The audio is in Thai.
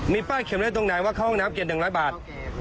มีป้ายเข็มไว้ตรงไหนว่าเข้าห้องน้ำเก็บ๑๐๐บาท